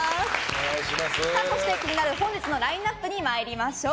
気になる本日のラインアップにまいりましょう。